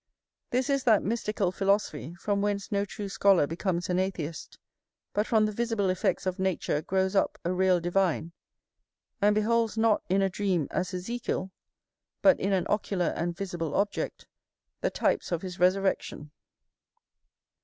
This is that mystical philosophy, from whence no true scholar becomes an atheist, but from the visible effects of nature grows up a real divine, and beholds not in a dream, as Ezekiel, but in an ocular and visible object, the types of his resurrection.